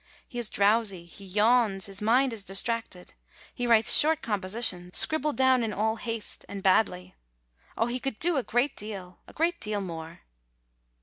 He is drowsy, he yawns, his mind is distracted. He writes short compositions, scribbled down in all haste, and badly. Oh, he could do a great deal, a great deal more."